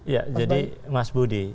ya jadi mas budi